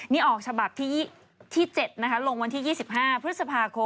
นี่ออกฉบับที่ที่๗ลงวันที่๒๕พศ